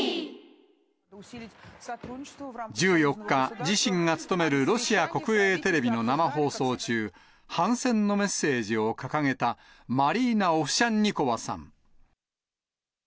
１４日、自身が勤めるロシア国営テレビの生放送中、反戦のメッセージを掲げたマリーナ・オフシャンニコワさん。